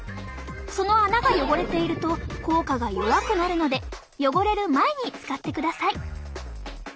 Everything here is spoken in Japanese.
その穴が汚れていると効果が弱くなるので汚れる前に使ってください。